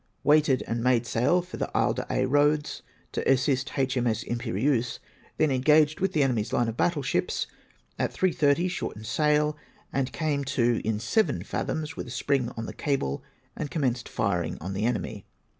Weig hed and made sail in for Isle d'Aix Eoads, to assist H.M.S. Imperleuse. Then engaged with the enemy's line of battle ships. At 3 30 shortened sail and came to in seven fathoms with a spring on the cable, and commenced firing on the enemy.